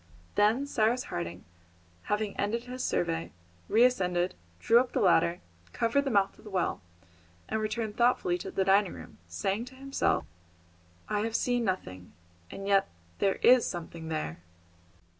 Then Cyrus Harding, having ended his survey, re ascended, drew up the ladder, covered the mouth of the well, and returned thoughtfully to the dining room, saying to himself, "I have seen nothing, and yet there is something there!"